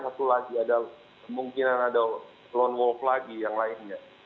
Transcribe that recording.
satu lagi ada kemungkinan ada lone wolf lagi yang lainnya